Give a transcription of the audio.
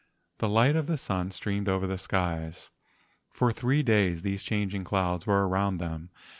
The light of the sun streamed over the skies. For three days these changing clouds 130 LEGENDS OF GHOSTS were around them.